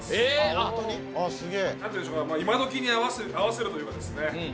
何ていうんでしょうか今どきに合わせるというかですね